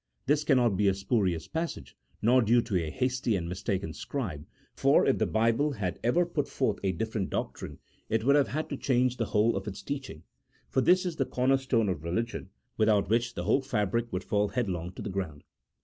This cannot be a spurious passage, nor due to a hasty and mistaken scribe, for if the Bible had ever put forth a different doctrine it would have had to change the whole of its teaching, for this is the corner stone of religion, without which the whole fabric would fall headlong to the ground.